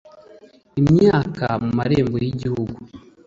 imyaka mu marembo y’igihugu